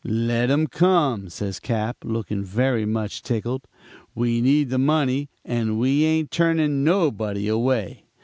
"'Let 'em come,' says Cap., looking very much tickled. 'We need the money and we ain't turning nobody away.